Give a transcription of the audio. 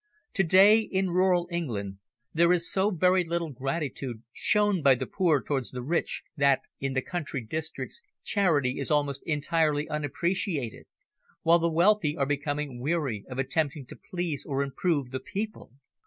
To day in rural England there is so very little real gratitude shown by the poor towards the rich that in the country districts, charity is almost entirely unappreciated, while the wealthy are becoming weary of attempting to please or improve the people.